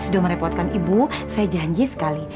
sudah merepotkan ibu saya janji sekali